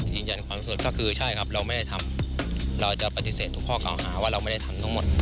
ยืนยันความรู้สึกก็คือใช่ครับเราไม่ได้ทำเราจะปฏิเสธทุกข้อเก่าหาว่าเราไม่ได้ทำทั้งหมด